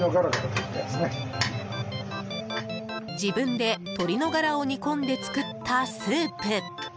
自分で鶏のガラを煮込んで作ったスープ。